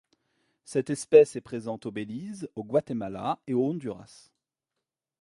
Cette espèce est présente au Belize, au Guatemala et au Honduras.